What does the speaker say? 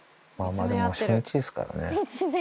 でも初日ですからね。